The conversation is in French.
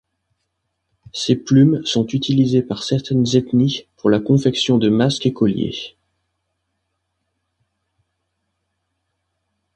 Ses plumes sont utilisées par certaines ethnies pour la confection de masques et colliers.